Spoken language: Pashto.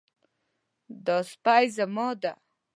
دا سپی زما ده